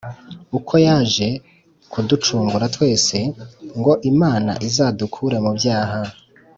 uko yaje kuducungura twese, ngo imana izadukure mu byaha